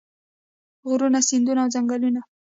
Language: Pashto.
غرونه سیندونه او ځنګلونه.